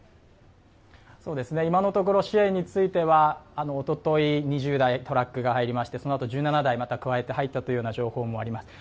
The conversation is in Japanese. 今のところ、支援についてはおととい２０台、トラックが入りまして、そのあと１７台、加えて入ったという情報もあります。